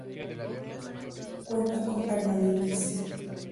Cuenta con permanentes.